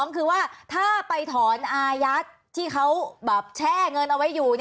คือว่าถ้าไปถอนอายัดที่เขาแช่เงินเอาไว้อยู่